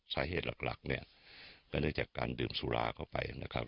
สาเหตุหลักหลักเนี่ยก็เนื่องจากการดื่มสุราเข้าไปนะครับ